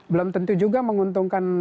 belum tentu juga menguntungkan